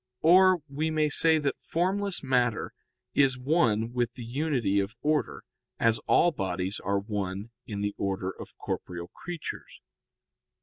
Or we may say that formless matter is one with the unity of order, as all bodies are one in the order of corporeal creatures.